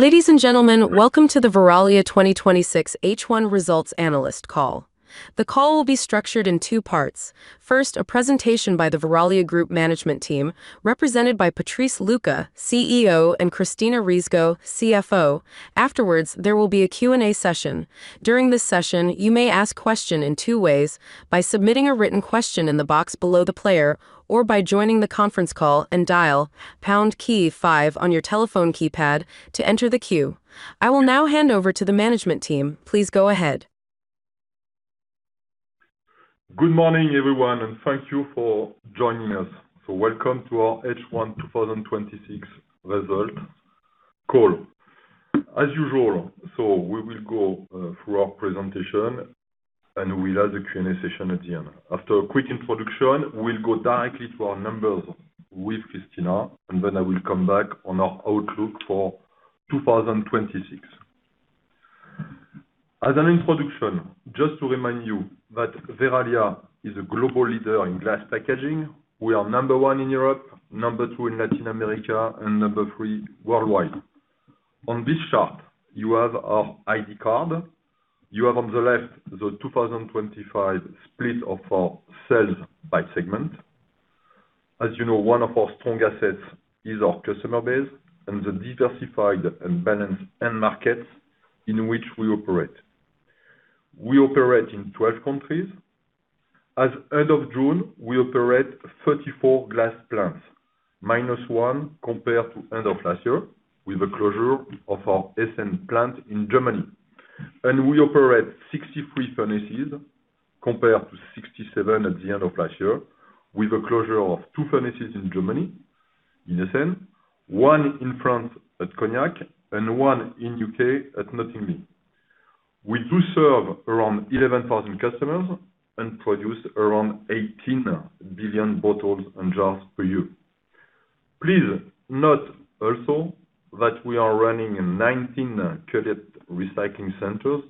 Ladies and gentlemen, welcome to the Verallia 2026 H1 results analyst call. The call will be structured in two parts. First, a presentation by the Verallia Group management team, represented by Patrice Lucas, CEO, and Cristina Riesgo, CFO. Afterwards, there will be a Q&A session. During this session, you may ask questions in two ways: by submitting a written question in the box below the player, or by joining the conference call and dial pound key five on your telephone keypad to enter the queue. I will now hand over to the management team. Please go ahead. Good morning, everyone, and thank you for joining us. Welcome to our H1 2026 result call. As usual, we will go through our presentation, we'll have a Q&A session at the end. After a quick introduction, we'll go directly to our numbers with Cristina, I will come back on our outlook for 2026. As an introduction, just to remind you that Verallia is a global leader in glass packaging. We are number one in Europe, number two in Latin America, and number three worldwide. On this chart, you have our ID card. You have on the left the 2025 split of our sales by segment. As you know, one of our strong assets is our customer base and the diversified and balanced end markets in which we operate. We operate in 12 countries. As end of June, we operate 34 glass plants, minus one compared to end of last year, with the closure of our Essen plant in Germany. We operate 63 furnaces compared to 67 at the end of last year, with the closure of two furnaces in Germany in Essen, one in France at Cognac, and one in the U.K. at Nottingham. We do serve around 11,000 customers and produce around 18 billion bottles and jars per year. Please note also that we are running 19 cullet recycling centers,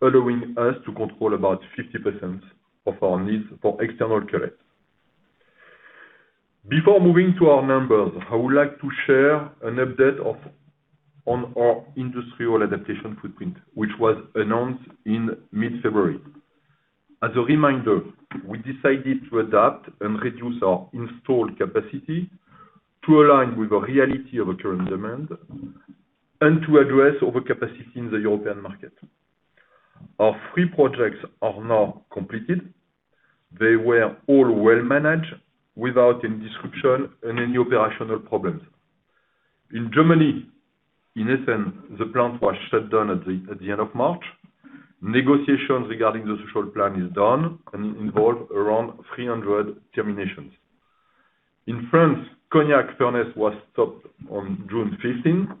allowing us to control about 50% of our needs for external cullet. Before moving to our numbers, I would like to share an update on our industrial adaptation footprint, which was announced in mid-February. As a reminder, we decided to adapt and reduce our installed capacity to align with the reality of current demand and to address overcapacity in the European market. Our three projects are now completed. They were all well managed without any disruption and any operational problems. In Germany, in Essen, the plant was shut down at the end of March. Negotiations regarding the social plan are done and involve around 300 terminations. In France, the Cognac furnace was stopped on June 15th.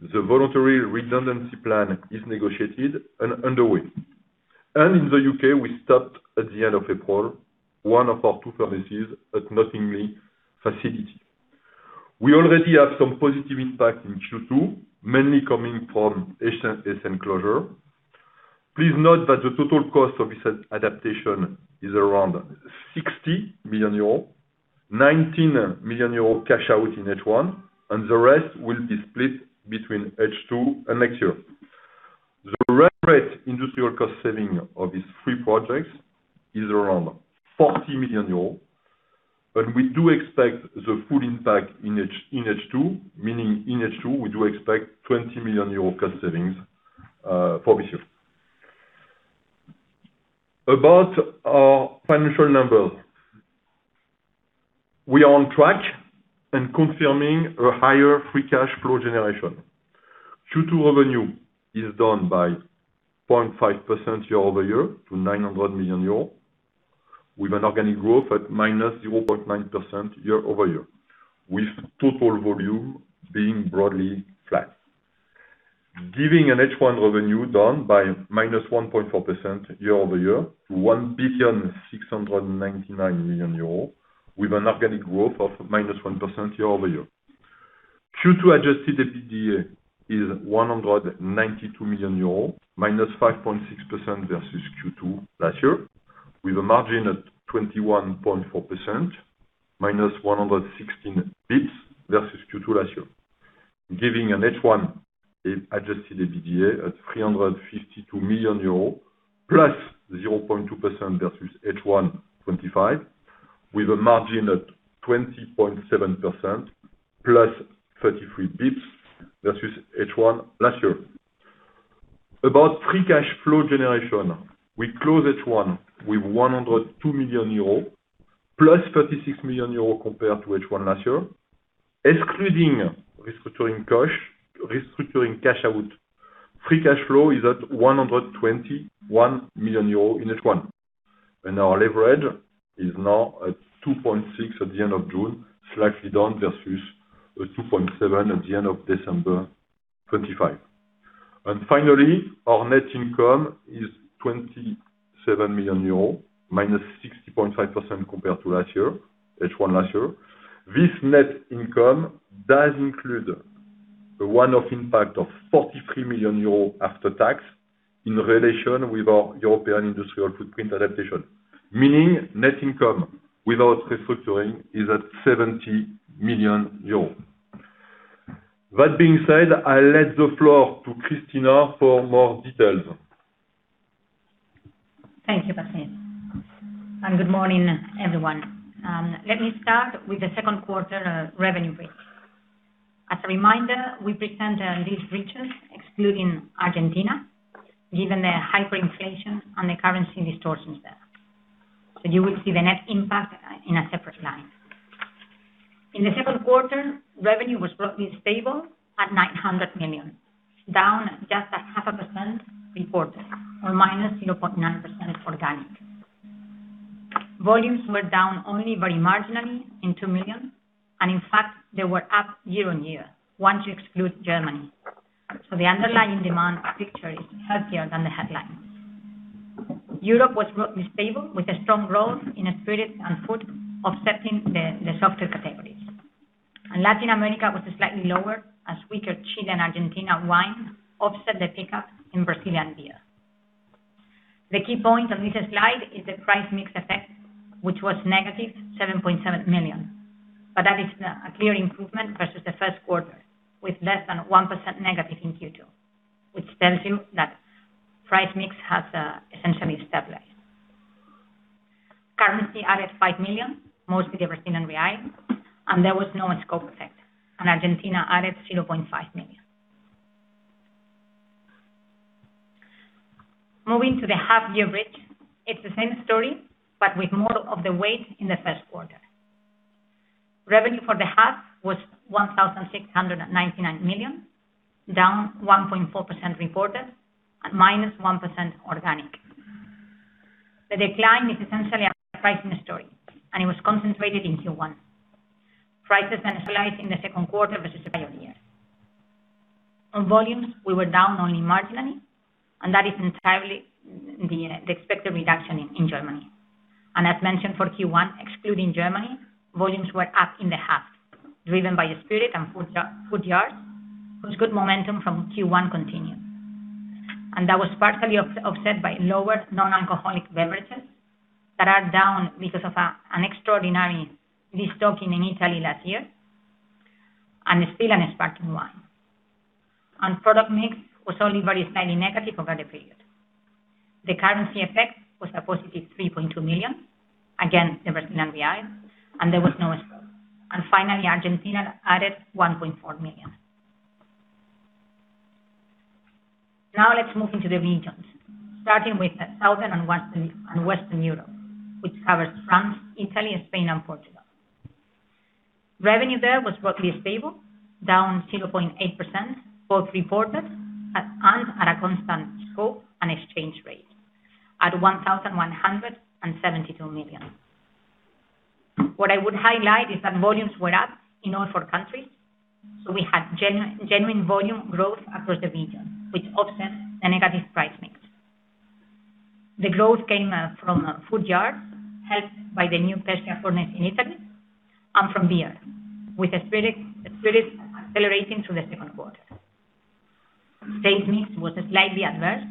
The voluntary redundancy plan is negotiated and underway. In the U.K., we stopped at the end of April, one of our two furnaces at Nottingham facility. We already have some positive impact in Q2, mainly coming from Essen closure. Please note that the total cost of this adaptation is around 60 million euros, 19 million euros cash out in H1, and the rest will be split between H2 and next year. The run rate industrial cost saving of these three projects is around 40 million euros, and we do expect the full impact in H2, meaning in H2, we do expect 20 million euro cost savings for this year. About our financial numbers. We are on track and confirming a higher free cash flow generation. Q2 revenue is down by 0.5% year-over-year to 900 million euro, with an organic growth at -0.9% year-over-year, with total volume being broadly flat. Giving an H1 revenue down by -1.4% year-over-year to 1,699 million euros, with an organic growth of -1% year-over-year. Q2 adjusted EBITDA is 192 million euros, -5.6% versus Q2 last year, with a margin of 21.4%, -116 basis points versus Q2 last year. Giving an H1 adjusted EBITDA at 352 million euros, +0.2% versus H1 2025, with a margin of 20.7%, +33 basis points versus H1 last year. About free cash flow generation, we close H1 with 102 million euros, +36 million euros compared to H1 last year. Excluding restructuring cash out, free cash flow is at 121 million euros in H1. Our leverage is now at 2.6x at the end of June, slightly down versus a 2.7x at the end of December 2025. Finally, our net income is 27 million euros, -60.5% compared to last year, H1 last year. This net income does include a one-off impact of 43 million euros after tax in relation with our European industrial footprint adaptation. Net income without restructuring is at 70 million euros. With that being said, I let the floor to Cristina for more details. Thank you, Patrice. Good morning, everyone. Let me start with the second quarter revenue break. As a reminder, we present these regions excluding Argentina, given the hyperinflation and the currency distortions there. So, you will see the net impact in a separate line. In the second quarter, revenue was roughly stable at 900 million, down just 0.5% reported or -0.9% organic. Volumes were down only very marginally in 2 million, and in fact, they were up year-on-year, once you exclude Germany. So the underlying demand picture is healthier than the headlines. Europe was roughly stable with a strong growth in spirit and food offsetting the softer categories. Latin America was slightly lower, as weaker Chile and Argentina wine offset the pickup in Brazilian beer. The key point on this slide is the price mix effect, which was -7.7 million. That is a clear improvement versus the first quarter, with less than -1% in Q2, which tells you that price mix has essentially stabilized. Currency added 5 million, mostly the Brazilian real, and there was no scope effect, and Argentina added 0.5 million. Moving to the half-year break, it is the same story but with more of the weight in the first quarter. Revenue for the half was 1,699 million, down 1.4% reported and -1% organic. The decline is essentially a pricing story, and it was concentrated in Q1. Prices slide in the second quarter versus prior years. On volumes, we were down only marginally, and that is entirely the expected reduction in Germany. As mentioned for Q1, excluding Germany, volumes were up in the half, driven by spirit and food jars, whose good momentum from Q1 continued. That was partially offset by lower non-alcoholic beverages that are down because of an extraordinary destocking in Italy last year and still an impact in wine. On product mix was only very slightly negative over the period. The currency effect was +3.2 million, again, the Brazilian real, and there was no scope. Finally, Argentina added EUR 1.4 million. Let's move into the regions, starting with Southern and Western Europe, which covers France, Italy, Spain, and Portugal. Revenue there was roughly stable, down 0.8% both reported and at a constant scope and exchange rate at 1,172 million. What I would highlight is that volumes were up in all four countries, so we had genuine volume growth across the region, which offsets the negative price mix. The growth came from food jars helped by the new Pescia furnace in Italy and from beer, with the spirit accelerating through the second quarter. Sales mix was slightly adverse,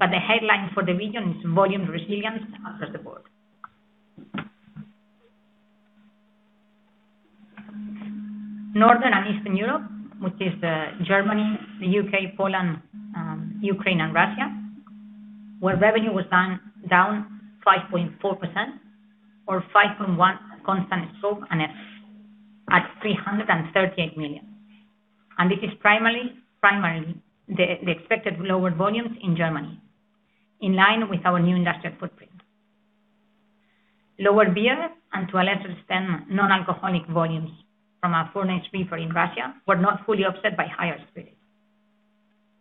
the headline for the region is volume resilience across the board. Northern and Eastern Europe, which is Germany, the U.K., Poland, Ukraine, and Russia, where revenue was down 5.4% or 5.1% constant scope and at 338 million. This is primarily the expected lower volumes in Germany, in line with our new industrial footprint. Lower beer and to a lesser extent, non-alcoholic volumes from our furnace reboot in Russia were not fully offset by higher spirits.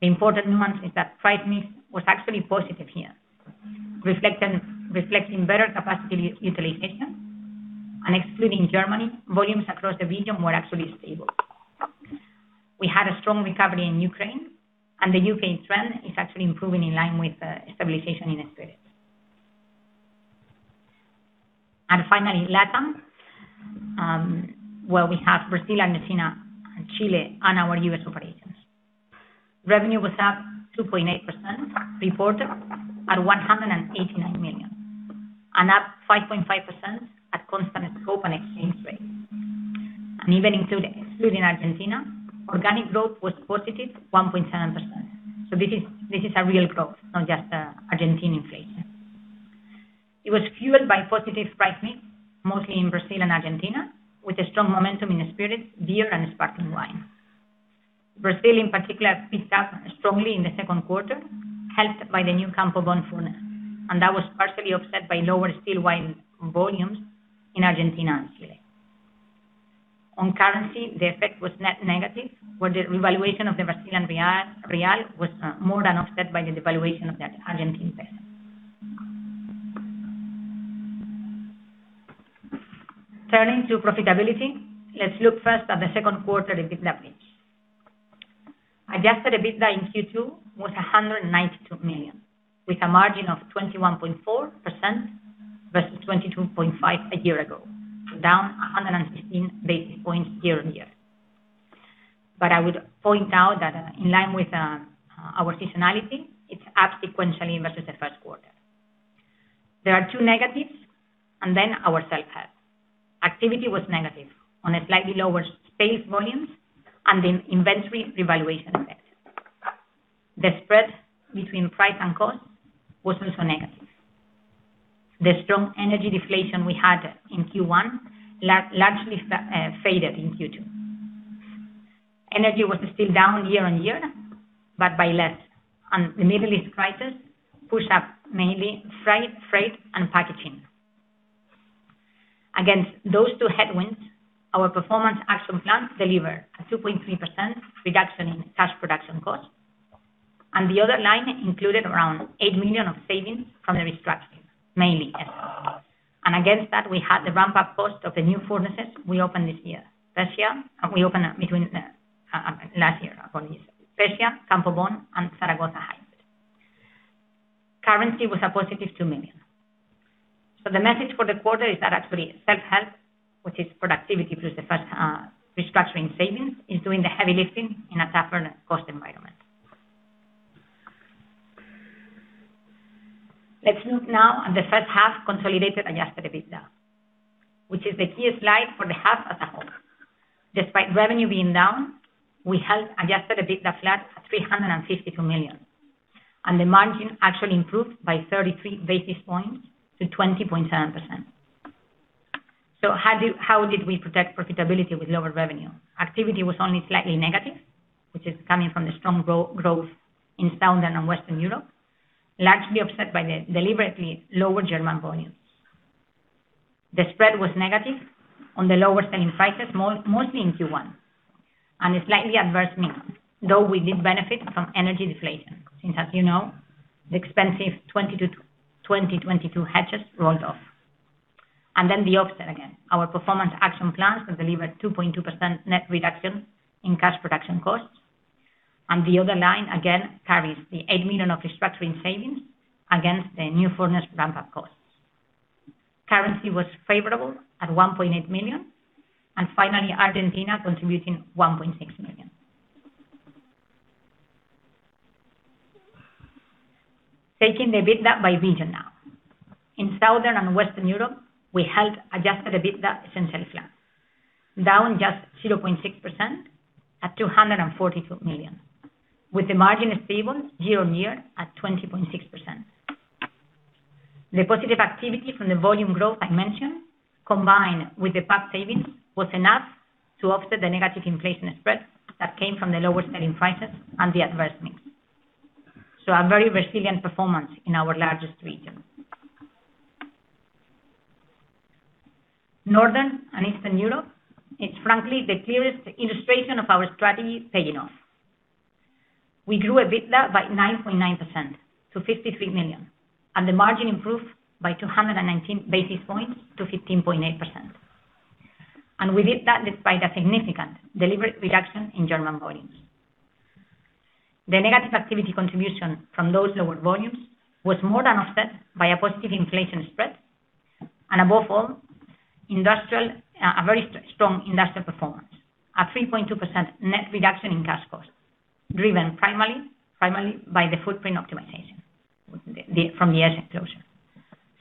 The important nuance is that price mix was actually positive here, reflecting better capacity utilization. Excluding Germany, volumes across the region were actually stable. We had a strong recovery in Ukraine, the U.K. trend is actually improving in line with the stabilization in spirits. Finally, LatAm, where we have Brazil, Argentina, Chile, and our U.S. operations. Revenue was up 2.8% reported at 189 million and up 5.5% at constant scope and exchange rate. Even excluding Argentina, organic growth was +1.7%. This is a real growth, not just Argentine inflation. It was fueled by positive price mix, mostly in Brazil and Argentina, with a strong momentum in spirit, beer, and sparkling wine. Brazil in particular picked up strongly in the second quarter, helped by the new Campo Bom furnace, and that was partially offset by lower still wine volumes in Argentina and Chile. On currency, the effect was net negative, where the revaluation of the Brazilian real was more than offset by the devaluation of the Argentine peso. Turning to profitability, let's look first at the second quarter bridge. Adjusted EBITDA in Q2 was 192 million, with a margin of 21.4% versus 22.5% a year ago, down 116 basis points year-on-year. I would point out that in line with our seasonality, it's up sequentially versus the first quarter. There are two negatives and then our self-help. Activity was negative on slightly lower space volumes and the inventory revaluation effect. The spread between price and cost was also negative. The strong energy deflation we had in Q1 largely faded in Q2. Energy was still down year-on-year, but by less. The Middle East crisis pushed up mainly freight and packaging. Against those two headwinds, our performance action plan delivered a 2.3% reduction in cash production cost. The other line included around 8 million of savings from the restructuring, mainly Essen. Against that, we had the ramp-up cost of the new furnaces we opened last year. Pescia, Campo Bom, and Zaragoza Hybrid. Currency was +2 million. The message for the quarter is that actually self-help, which is productivity plus the restructuring savings, is doing the heavy lifting in a tougher cost environment. Let's look now at the first half consolidated adjusted EBITDA, which is the key slide for the half as a whole. Despite revenue being down, we held adjusted EBITDA flat at 352 million. The margin actually improved by 33 basis points to 20.7%. How did we protect profitability with lower revenue? Activity was only slightly negative, which is coming from the strong growth in Southern and Western Europe, largely offset by the deliberately lower German volumes. The spread was negative on the lower selling prices, mostly in Q1. A slightly adverse mix, though we did benefit from energy deflation, since as you know, the expensive 2022 hedges rolled off. The offset again, our performance action plans have delivered 2.2% net reduction in cash production costs. The other line again carries the 8 million of restructuring savings against the new furnace ramp-up costs. Currency was favorable at 1.8 million, and finally, Argentina contributing 1.6 million. Taking the EBITDA by region now. In Southern and Western Europe, we held adjusted EBITDA essentially flat, down just 0.6% at 242 million, with the margin stable year-on-year at 20.6%. The positive activity from the volume growth I mentioned, combined with the PAP savings, was enough to offset the negative inflation spread that came from the lower selling prices and the adverse mix. A very resilient performance in our largest region. Northern and Eastern Europe is frankly the clearest illustration of our strategy paying off. We grew EBITDA by 9.9% to 53 million, the margin improved by 219 basis points to 15.8%. We did that despite a significant deliberate reduction in German volumes. The negative activity contribution from those lower volumes was more than offset by a positive inflation spread and above all, a very strong industrial performance. A 3.2% net reduction in cash costs, driven primarily by the footprint optimization from the asset closure.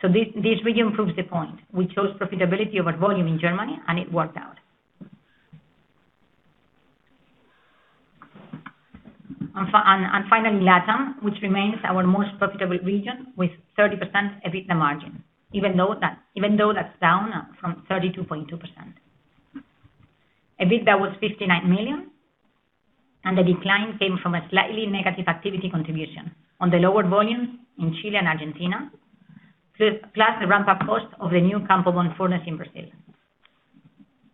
This really proves the point. We chose profitability over volume in Germany, and it worked out. Finally, LatAm, which remains our most profitable region with 30% EBITDA margin, even though that's down from 32.2%. EBITDA was 59 million, the decline came from a slightly negative activity contribution on the lower volumes in Chile and Argentina, plus the ramp-up cost of the new Campo Bom furnace in Brazil.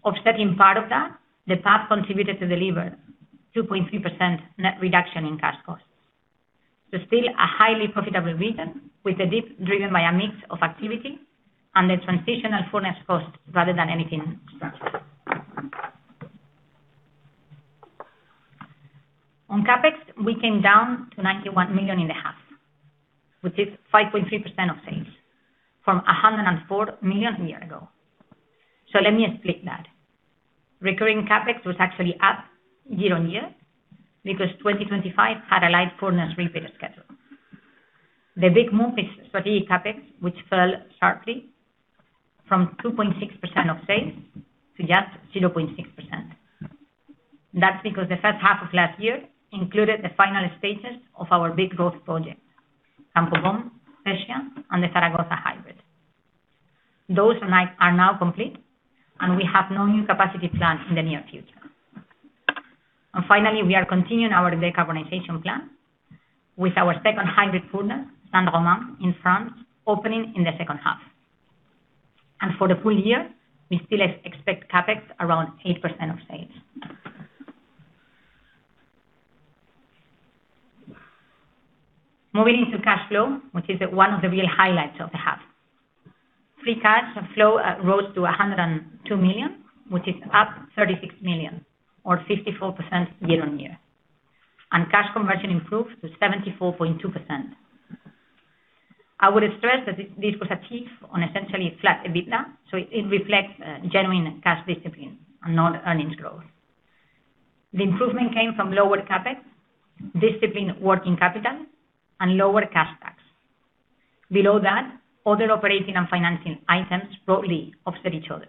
Offsetting part of that, the PAP contributed to deliver 2.3% net reduction in cash costs. Still a highly profitable region with a dip driven by a mix of activity and the transitional furnace cost rather than anything structural. On CapEx, we came down to 91 million in the half, which is 5.3% of sales from 104 million a year ago. Let me explain that. Recurring CapEx was actually up year-on-year because 2025 had a light furnace repair schedule. The big move is strategic CapEx, which fell sharply from 2.6% of sales to just 0.6%. That's because the first half of last year included the final stages of our big growth projects, Campo Bom, Pescia, and the Zaragoza Hybrid. Those are now complete, we have no new capacity plans in the near future. Finally, we are continuing our decarbonization plan with our second hybrid furnace, Saint-Romain-le-Puy in France, opening in the second half. For the full-year, we still expect CapEx around 8% of sales. Moving into cash flow, which is one of the real highlights of the half. free cash flow rose to 102 million, which is up 36 million or 54% year-on-year. Cash conversion improved to 74.2%. I would stress that this was achieved on essentially flat EBITDA, so it reflects genuine cash discipline and not earnings growth. The improvement came from lower CapEx, disciplined working capital, and lower cash tax. Below that, other operating and financing items broadly offset each other,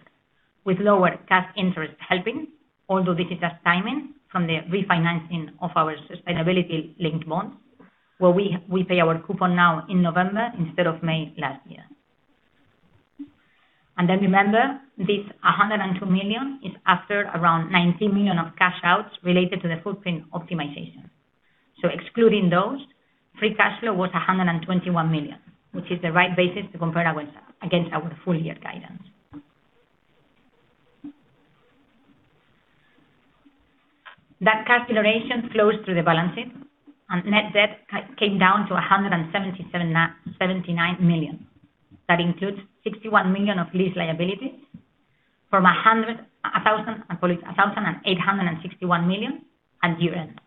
with lower cash interest helping. Although this is just timing from the refinancing of our sustainability-linked bonds, where we pay our coupon now in November instead of May last year. Remember, this 102 million is after around 19 million of cash outs related to the footprint optimization. Excluding those, free cash flow was 121 million, which is the right basis to compare against our full-year guidance. That cash generation flows through the balance sheet, net debt came down to 1,779 million. That includes 61 million of lease liabilities from 1,861 million at year-end,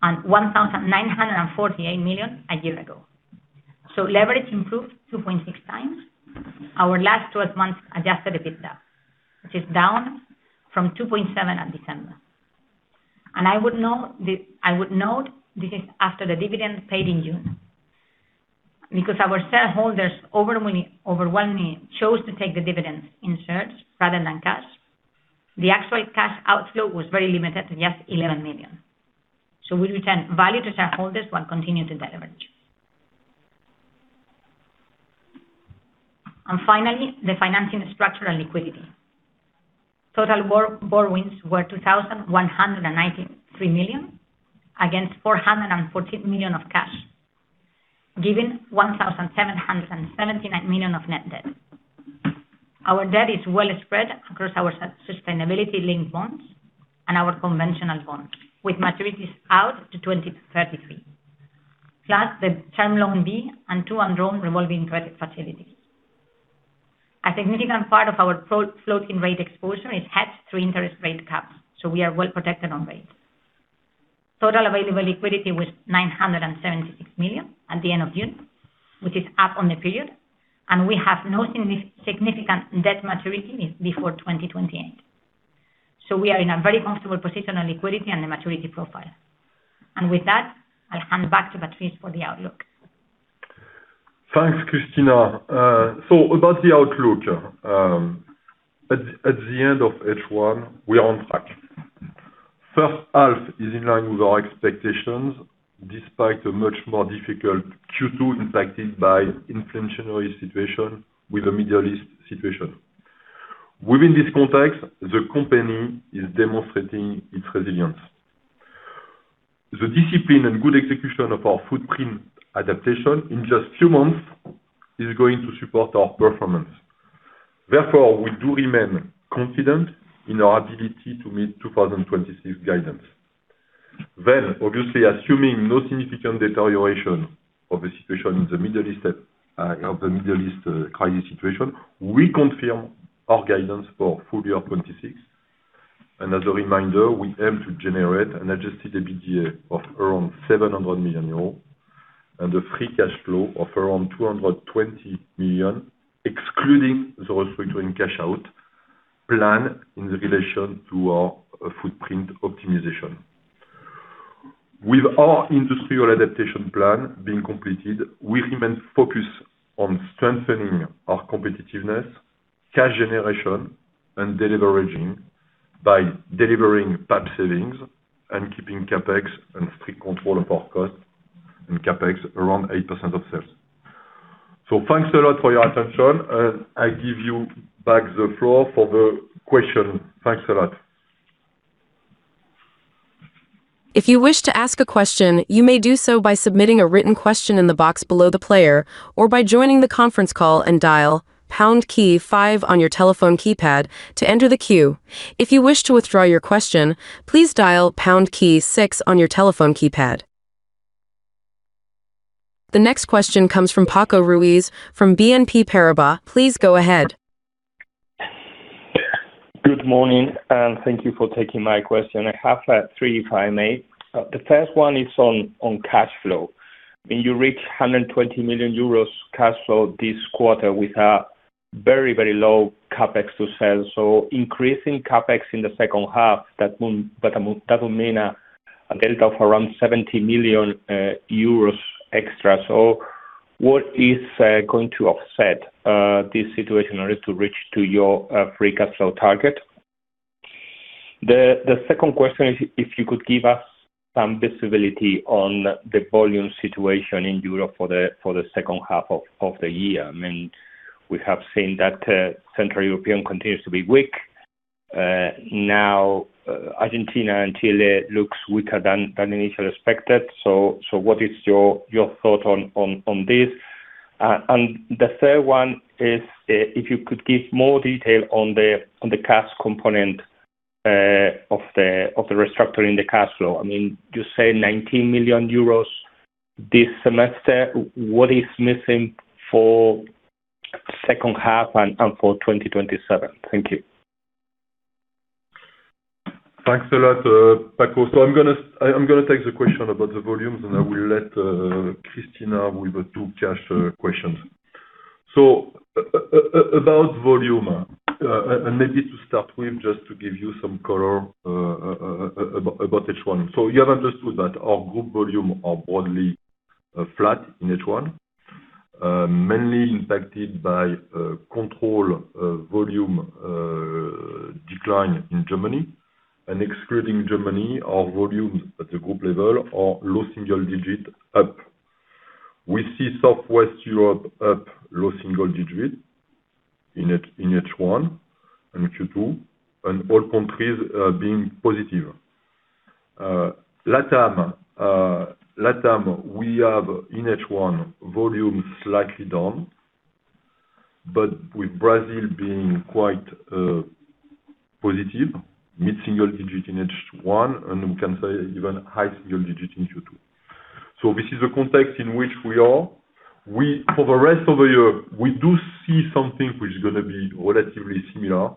1,948 million a year ago. Leverage improved 2.6x our last 12 months adjusted EBITDA, which is down from 2.7x at December. I would note this is after the dividend paid in June. Because our shareholders overwhelmingly chose to take the dividends in shares rather than cash, the actual cash outflow was very limited to just 11 million. We return value to shareholders while continuing to deleverage. Finally, the financing structure and liquidity. Total borrowings were 2,193 million against 414 million of cash, giving 1,779 million of net debt. Our debt is well spread across our sustainability-linked bonds and our conventional bonds, with maturities out to 2033, plus the Term Loan B and two undrawn revolving credit facilities. A significant part of our floating rate exposure is hedged through interest rate caps, we are well protected on rates. Total available liquidity was 976 million at the end of June, which is up on the period, we have no significant debt maturities before 2028. We are in a very comfortable position on liquidity and the maturity profile. With that, I'll hand back to Patrice for the outlook. Thanks, Cristina. About the outlook. At the end of H1, we are on track. First half is in line with our expectations, despite a much more difficult Q2 impacted by inflationary situation with the Middle East situation. Within this context, the company is demonstrating its resilience. The discipline and good execution of our footprint adaptation in just few months is going to support our performance. Therefore, we do remain confident in our ability to meet 2026 guidance. Obviously, assuming no significant deterioration of the situation in the Middle East crisis situation, we confirm our guidance for full-year 2026. As a reminder, we aim to generate an adjusted EBITDA of around 700 million euros and a free cash flow of around 220 million, excluding those between cash out planned in relation to our footprint optimization. With our industrial adaptation plan being completed, we remain focused on strengthening our competitiveness, cash generation, and deleveraging by delivering PAP savings and keeping CapEx and strict control of our cost and CapEx around 8% of sales. Thanks a lot for your attention, I give you back the floor for the question. Thanks a lot. If you wish to ask a question, you may do so by submitting a written question in the box below the player or by joining the conference call and dial pound key five on your telephone keypad to enter the queue. If you wish to withdraw your question, please dial pound key six on your telephone keypad. The next question comes from Francisco Ruiz from BNP Paribas. Please go ahead. Good morning. Thank you for taking my question. I have three, if I may. The first one is on cash flow. You reach 120 million euros cash flow this quarter with a very low CapEx to sales. Increasing CapEx in the second half, that will mean a delta of around 70 million euros extra. What is going to offset this situation in order to reach your free cash flow target? The second question is if you could give us some visibility on the volume situation in Europe for the second half of the year. We have seen that Central European continues to be weak. Argentina and Chile looks weaker than initially expected. What is your thought on this? The third one is if you could give more detail on the cash component of the restructuring the cash flow. You say 19 million euros this semester. What is missing for second half and for 2027? Thank you. Thanks a lot, Francisco. I am going to take the question about the volumes, and I will let Cristina with the two cash questions. About volume, and maybe to start with, just to give you some color about H1. You have understood that our group volume are broadly flat in H1, mainly impacted by control volume decline in Germany, and excluding Germany, our volumes at the group level are low single digit up. We see Southern and Western Europe up low single digit in H1 and Q2, and all countries being positive. LatAm, we have in H1 volume slightly down, but with Brazil being quite positive, mid-single digit in H1 and we can say even high single digit in Q2. This is the context in which we are. For the rest of the year, we do see something which is going to be relatively similar.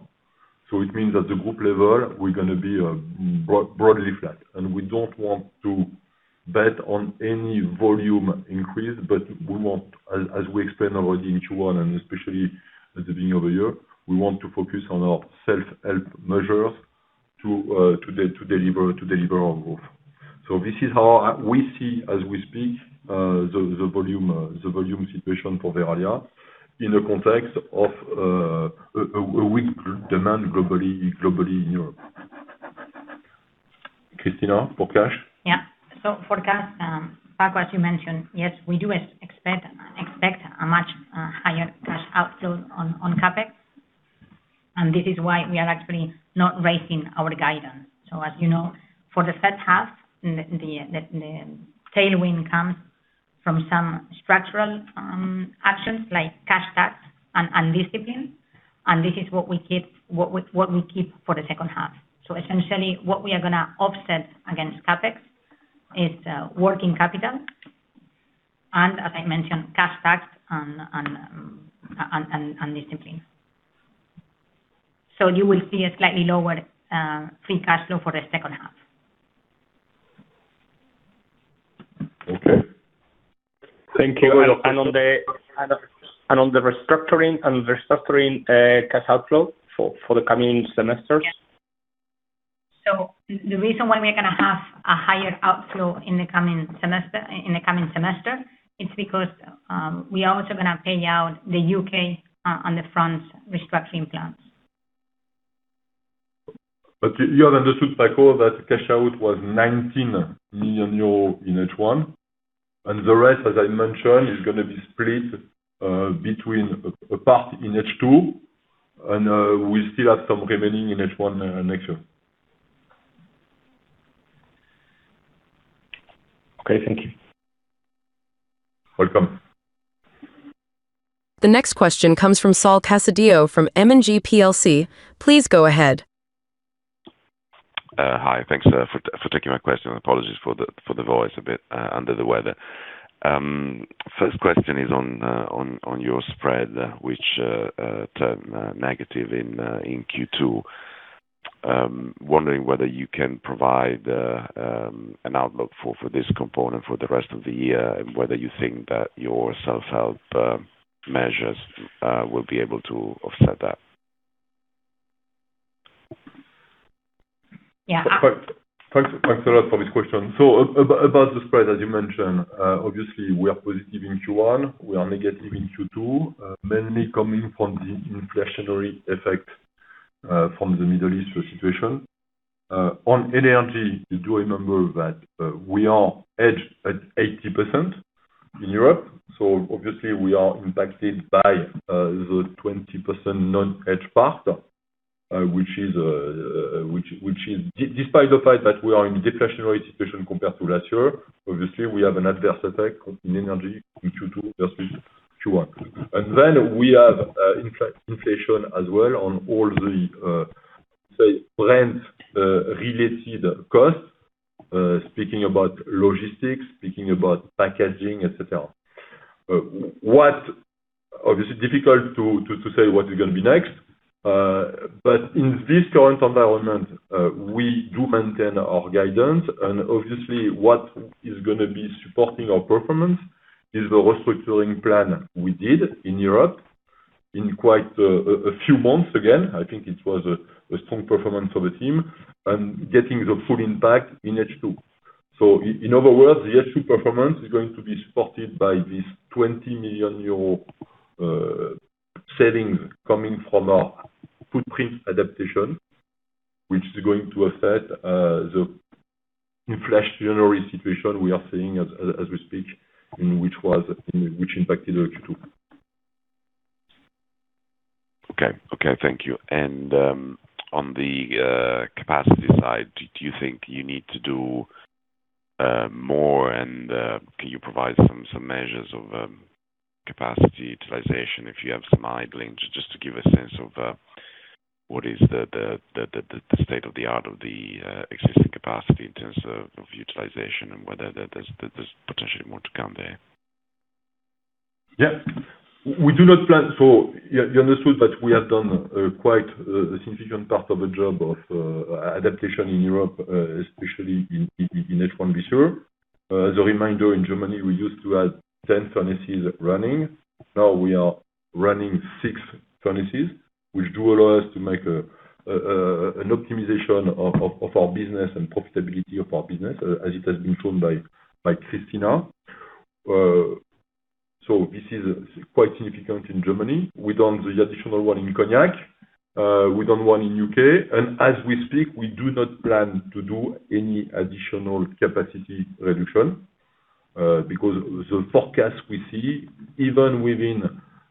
It means at the group level, we are going to be broadly flat. We don't want to bet on any volume increase, but we want, as we explained already in Q1 and especially at the beginning of the year, we want to focus on our self-help measures to deliver our growth. This is how we see as we speak, the volume situation for Verallia in the context of a weak demand globally in Europe. Cristina, for cash? Yeah. For cash, Francisco, as you mentioned, yes, we do expect a much higher cash outflow on CapEx, and this is why we are actually not raising our guidance. As you know, for the first half, the tailwind comes from some structural actions like cash tax and discipline, and this is what we keep for the second half. Essentially what we are going to offset against CapEx is working capital, and as I mentioned, cash tax and discipline. You will see a slightly lower free cash flow for the second half. Thank you. On the restructuring cash outflow for the coming semesters? The reason why we are going to have a higher outflow in the coming semester is because we are also going to pay out the U.K. on the front restructuring plans. You have understood, Francisco, that cash out was 19 million euro in H1, the rest, as I mentioned, is going to be split between a part in H2, we still have some remaining in H1 next year. Okay, thank you. You're welcome. The next question comes from Saul Casadio from M&G plc. Please go ahead. Hi, thanks for taking my question. Apologies for the voice, a bit under the weather. First question is on your spread, which turned negative in Q2. Wondering whether you can provide an outlook for this component for the rest of the year, and whether you think that your self-help measures will be able to offset that? Yeah. Thanks a lot for this question. About the spread, as you mentioned, obviously we are positive in Q1, we are negative in Q2, mainly coming from the inflationary effect from the Middle East situation. On LNG, you do remember that we are hedged at 80% in Europe, so obviously we are impacted by the 20% non-hedged part. Which despite the fact that we are in deflationary situation compared to last year, obviously we have an adverse effect in energy in Q2 versus Q1. We have inflation as well on all the say, plant-related costs, speaking about logistics, speaking about packaging, etc. Obviously difficult to say what is going to be next. In this current environment, we do maintain our guidance. Obviously what is going to be supporting our performance is the restructuring plan we did in Europe in quite a few months. I think it was a strong performance for the team and getting the full impact in H2. In other words, the H2 performance is going to be supported by this 20 million euro savings coming from our footprint adaptation, which is going to affect the inflationary situation we are seeing as we speak, which impacted our Q2. Okay, thank you. On the capacity side, do you think you need to do more and can you provide some measures of capacity utilization, if you have some idling, just to give a sense of what is the state of the art of the existing capacity in terms of utilization and whether there's potentially more to come there? You understood that we have done quite a significant part of the job of adaptation in Europe, especially in H1 this year. As a reminder, in Germany, we used to have 10 furnaces running. Now we are running six furnaces, which do allow us to make an optimization of our business and profitability of our business, as it has been shown by Cristina. This is quite significant in Germany. We've done the additional one in Cognac. We've done one in the U.K., as we speak, we do not plan to do any additional capacity reduction, because the forecast we see, even within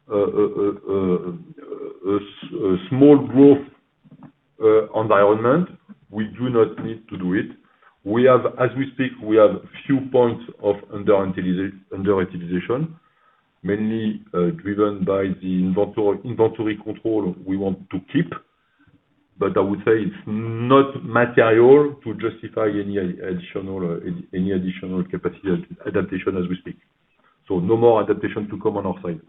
a small growth environment, we do not need to do it. As we speak, we have few points of underutilization, mainly driven by the inventory control we want to keep. I would say it's not material to justify any additional capacity adaptation as we speak. No more adaptation to come on our side.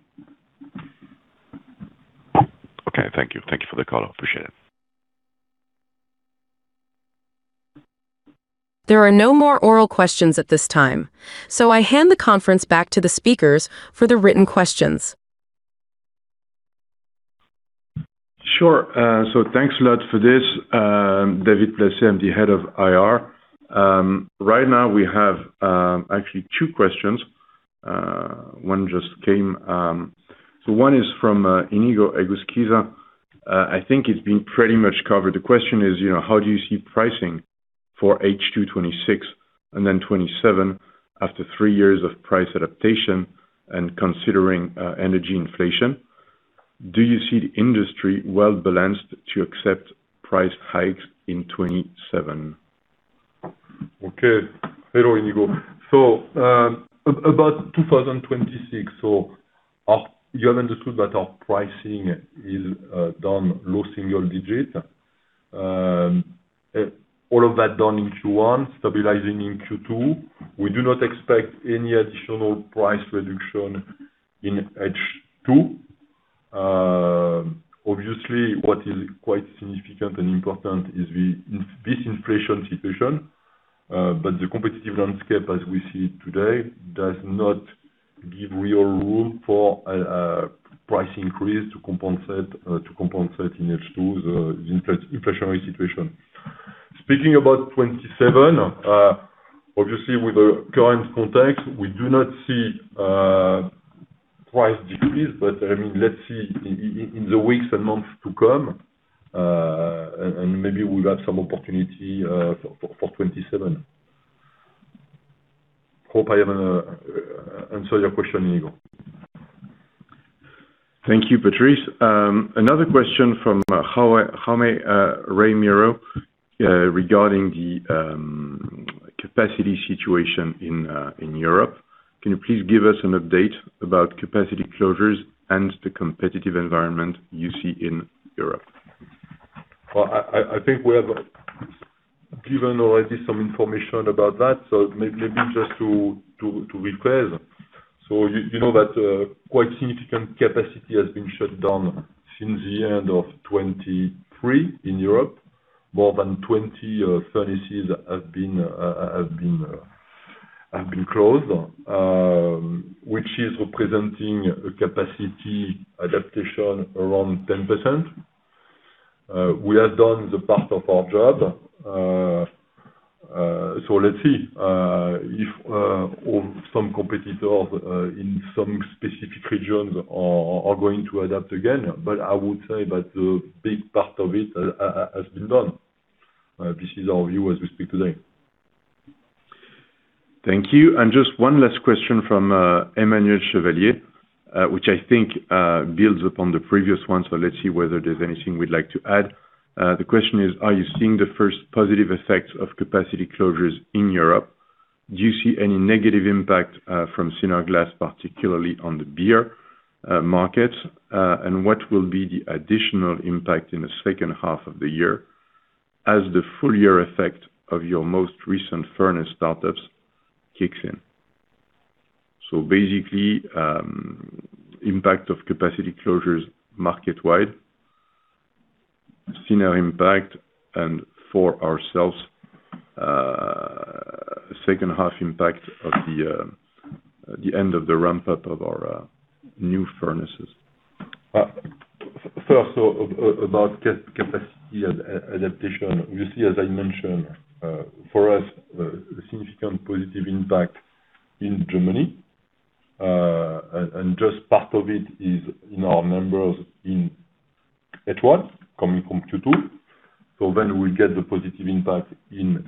Okay, thank you. Thank you for the call. Appreciate it. There are no more oral questions at this time. I hand the conference back to the speakers for the written questions. Sure, thanks a lot for this. David Placet, I'm the head of IR. Right now we have actually two questions. One just came. One is from Inigo Egusquiza. I think it's been pretty much covered. The question is, "How do you see pricing for H2 2026 and then 2027 after three years of price adaptation and considering energy inflation? Do you see the industry well-balanced to accept price hikes in 2027?" Okay. Hello, Inigo. About 2026, you have understood that our pricing is down low single digit. All of that done in Q1, stabilizing in Q2. We do not expect any additional price reduction in H2. Obviously, what is quite significant and important is this inflation situation. The competitive landscape as we see it today, does not give real room for a price increase to compensate in H2 the inflationary situation. Speaking about 2027, obviously with the current context, we do not see price decrease. Let's see in the weeks and months to come, and maybe we'll have some opportunity for 2027. Hope I have answered your question, Inigo. Thank you, Patrice. Another question from Jaime Remiro regarding the capacity situation in Europe. "Can you please give us an update about capacity closures and the competitive environment you see in Europe?" I think we have given already some information about that. Maybe just to recast. You know that quite significant capacity has been shut down since the end of 2023 in Europe. More than 20 furnaces have been closed, which is representing a capacity adaptation around 10%. We have done the part of our job. Let's see if some competitors in some specific regions are going to adapt again. I would say that a big part of it has been done. This is our view as we speak today. Thank you. Just one last question from Emmanuel Chevalier, which I think builds upon the previous one. Let's see whether there's anything we'd like to add. The question is, "Are you seeing the first positive effects of capacity closures in Europe? Do you see any negative impact from Synerglast, particularly on the beer market? What will be the additional impact in the second half of the year as the full-year effect of your most recent furnace startups kicks in? Basically, impact of capacity closures market-wide, Synerglast impact, and for ourselves, second half impact of the end of the ramp-up of our new furnaces." First, about capacity adaptation. You see, as I mentioned, for us, a significant positive impact in Germany. Just part of it is in our numbers in H1, coming from Q2. Then we get the positive impact in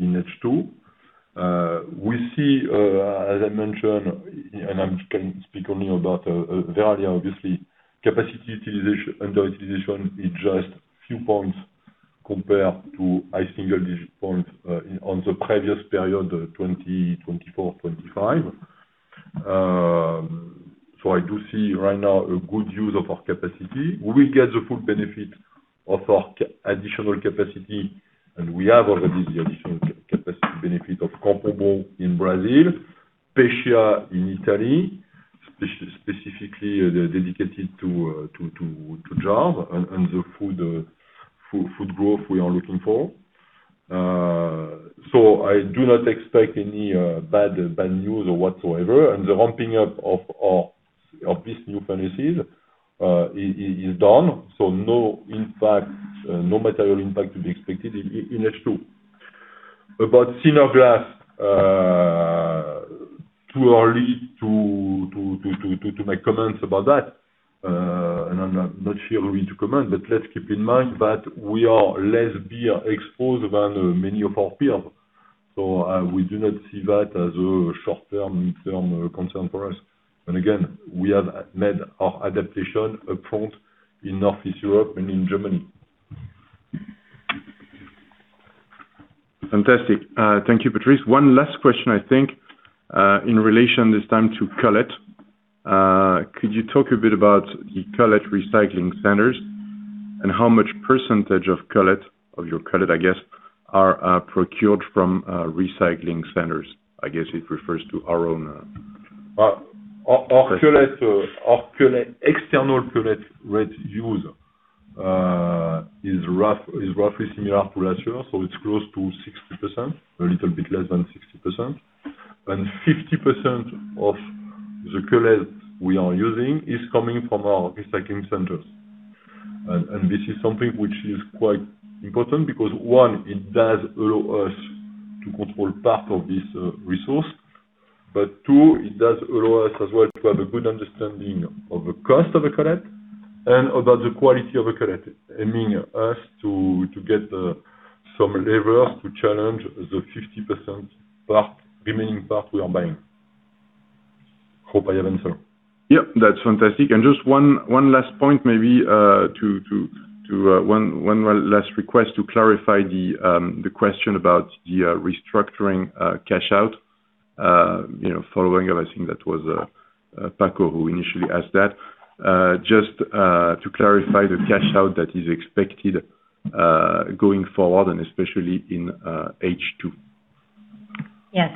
H2. We see, as I mentioned, and I can speak only about Verallia obviously, capacity underutilization is just few points compared to high single-digit point on the previous period, 2024, 2025. I do see right now a good use of our capacity. We will get the full benefit of our additional capacity, and we have already the additional capacity benefit of Campo Bom in Brazil, Pescia in Italy, specifically dedicated to jar and the food growth we are looking for. I do not expect any bad news or whatsoever, and the ramping up of these new furnaces is done, so no material impact to be expected in H2. About Synerglast, too early to make comments about that. I'm not sure willing to comment, let's keep in mind that we are less beer exposed than many of our peers. We do not see that as a short-term concern for us. Again, we have made our adaptation approach in Northern and Eastern Europe and in Germany. Fantastic. Thank you, Patrice. One last question, I think, in relation this time to cullet. "Could you talk a bit about the cullet recycling centers and how much percent of your cullet, I guess, are procured from recycling centers?" I guess it refers to our own. Our external cullet rate used is roughly similar to last year, it's close to 60%, a little bit less than 60%. 50% of the cullet we are using is coming from our recycling centers. This is something which is quite important because, one, it does allow us to control part of this resource. Two, it does allow us as well to have a good understanding of the cost of the cullet and about the quality of the cullet, enabling us to get some leverage to challenge the 50% remaining part we are buying. Hope I have answered. Yep, that's fantastic. Just one last point maybe, one last request to clarify the question about the restructuring cash out, following up, I think that was Francisco who initially asked that. Just to clarify the cash out that is expected going forward and especially in H2. Yes.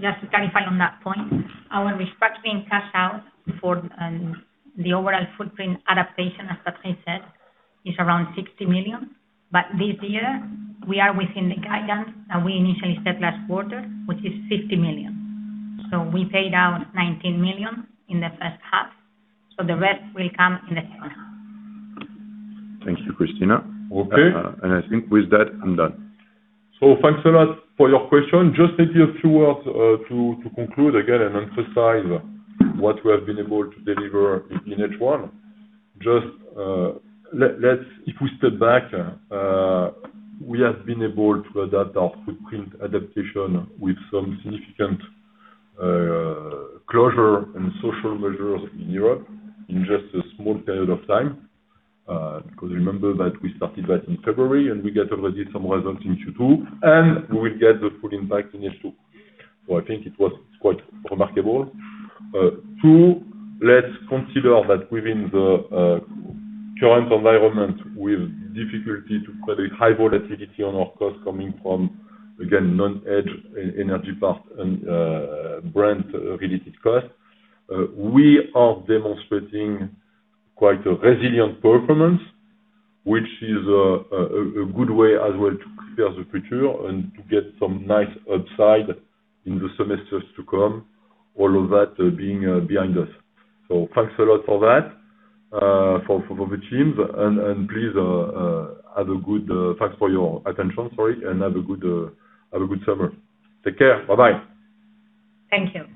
Just to clarify on that point, our restructuring cash out for the overall footprint adaptation, as Patrice said, is around 60 million, but this year we are within the guidance that we initially set last quarter, which is 50 million. We paid out 19 million in the first half, the rest will come in the second half. Thank you, Cristina. Okay. I think with that, I'm done. Thanks a lot for your question. Maybe a few words to conclude again and emphasize what we have been able to deliver in H1. If we step back, we have been able to adapt our footprint adaptation with some significant closure and social measures in Europe in just a small period of time. Remember that we started that in February, we get already some results in Q2, we will get the full impact in H2. I think it was quite remarkable. Two, let's consider that within the current environment, with difficulty to credit high volatility on our cost coming from, again, non-hedged energy part and plant-related cost, we are demonstrating quite a resilient performance, which is a good way as well to clear the future and to get some nice upside in the semesters to come, all of that being behind us. Thanks a lot for that, for the teams, and please thanks for your attention, and have a good summer. Take care. Bye-bye. Thank you. Thank you.